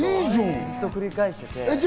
ずっと繰り返していて。